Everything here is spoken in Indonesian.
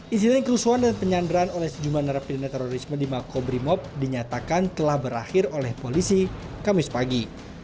insiden kerusuhan dan penyanderaan oleh sejumlah narapidana terorisme di makobrimob dinyatakan telah berakhir oleh polisi kamis pagi